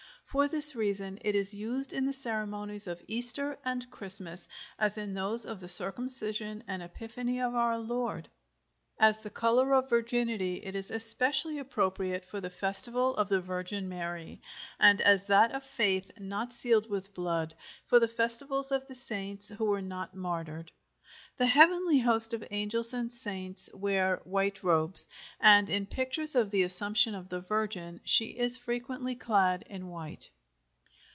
For this reason it is used in the ceremonies of Easter and Christmas, as in those of the Circumcision and Epiphany of Our Lord. As the color of virginity it is especially appropriate for the festival of the Virgin Mary, and as that of faith not sealed with blood, for the festivals of the saints who were not martyred. The heavenly host of angels and saints wear white robes, and in pictures of the Assumption of the Virgin she is frequently clad in white.